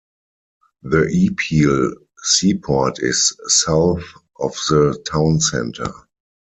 The Ipil seaport is south of the town center.